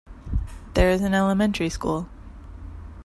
There is an elementary school.